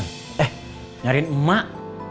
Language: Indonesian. eh nyariin emak